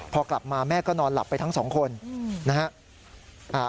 พอกลับมาแม่ก็นอนหลับไปทั้งสองคนนะฮะ